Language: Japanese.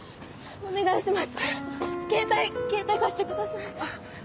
お願いします。